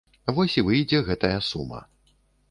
Вось і выйдзе гэтая сума.